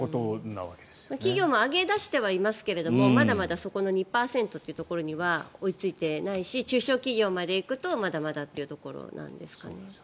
企業も上げ出してはいますがまだまだそこの２％というところには追いついていないし中小企業まで行くとまだまだというところなんですかね。